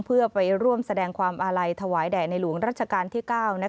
เพื่อไปร่วมแสดงความอาลัยถวายแด่ในหลวงรัชกาลที่๙